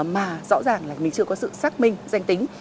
mà rõ ràng là mình chưa có sự xác minh danh tính